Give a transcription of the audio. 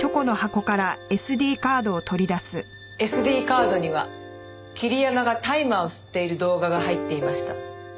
ＳＤカードには桐山が大麻を吸っている動画が入っていました。